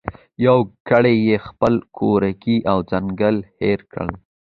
یو ګړی یې خپل کورګی او ځنګل هېر کړ